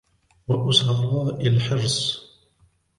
وَأُسَرَاءِ الْحِرْصِ